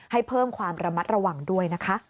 ให้เพิ่มความระมัดระวังด้วยนะคะ